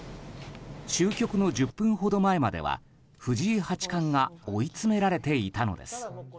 終局の１０分ほど前までは藤井八冠が追い詰められていたのです。